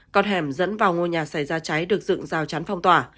con hẻm dẫn vào ngôi nhà xảy ra cháy được dựng rào chắn phong tỏa